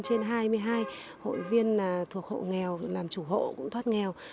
trên hai mươi hai hội viên thuộc hộ nghèo làm chủ hộ cũng thoát nghèo